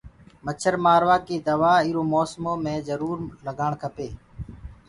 مڇآ مآروآ ڪي دوآ اُرو موسمو مي جروُر لگآڻ ڪپينٚ۔